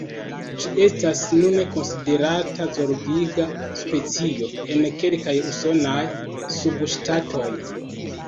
Ĝi estas nune konsiderata zorgiga specio en kelkaj usonaj subŝtatoj.